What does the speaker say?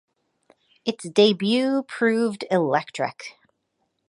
Its debut proved electric.